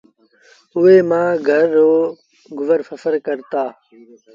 اُئي مآݩ پنڊري گھر رو گزر سڦر ڪرتآ